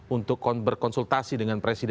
untuk berkonsultasi dengan presiden